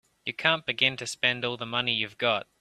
You can't begin to spend all the money you've got.